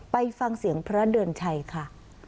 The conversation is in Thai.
ไปฟังเสียงพระเดือนชัยค่ะ